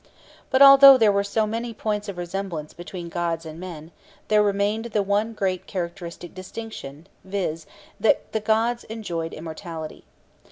But although there were so many points of resemblance between gods and men, there remained the one great characteristic distinction, viz., that the gods enjoyed immortality.